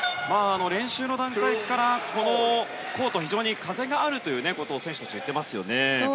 練習の段階からこのコート非常に風があるということを選手たちは言ってますよね。